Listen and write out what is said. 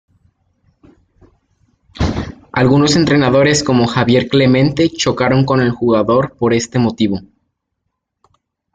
Algunos entrenadores, como Javier Clemente, chocaron con el jugador por este motivo.